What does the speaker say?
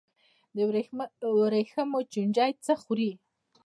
د ورېښمو چینجی څه خوري؟